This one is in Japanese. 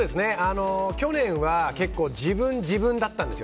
去年は結構自分、自分だったんですよ。